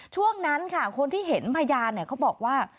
ช่วงนั้นค่ะคนที่เห็นพยานเขาบอกว่า